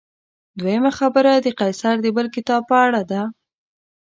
دویمه خبره د قیصر د بل کتاب په اړه ده.